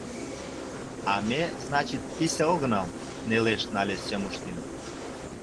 — А ме, значит, писе огынал, — нелеш нале Сёмушкин.